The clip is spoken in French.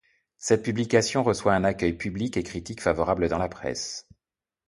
Cette publication reçoit un accueil public et critique favorable dans la presse.